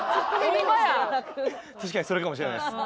確かにそれかもしれないです。